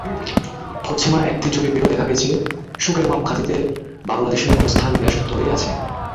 পশ্চিমা একটি জরিপেও দেখা গেছে, সুখের মাপকাঠিতে বাংলাদেশের অবস্থান বেশ ওপরেই আছে।